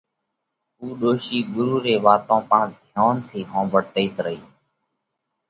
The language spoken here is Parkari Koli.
اُو ڏوشِي ڳرُو ري واتون پڻ ڌيونَ ٿِي ۿومڀۯتئِيت رئِي۔